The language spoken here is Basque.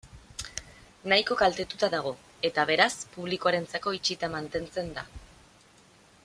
Nahiko kaltetua dago, eta beraz publikoarentzako itxita mantentzen da.